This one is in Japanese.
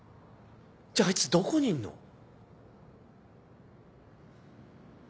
じゃあいつどこにいんの？